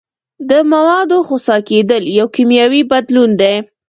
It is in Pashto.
د موادو خسا کیدل یو کیمیاوي بدلون دی.